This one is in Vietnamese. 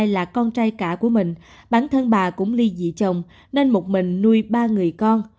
là con trai cả của mình bản thân bà cũng ly dị chồng nên một mình nuôi ba người con